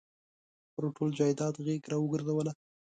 پر ټول جایداد غېږ را ورګرځوله.